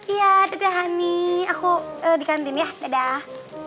iya dadah ani aku dikantin ya dadah